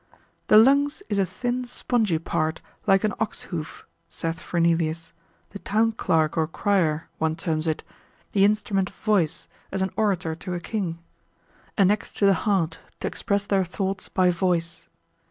The lungs is a thin spongy part, like an ox hoof, (saith Fernelius) the town clerk or crier, (one terms it) the instrument of voice, as an orator to a king; annexed to the heart, to express their thoughts by voice.